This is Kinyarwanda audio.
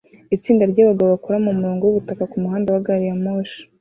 Itsinda ryabagabo bakora mumurongo wubutaka kumuhanda wa gari ya moshi